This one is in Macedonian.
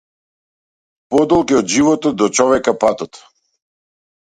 Подолг е од животот до човека патот.